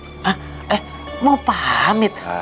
hah eh mau pamit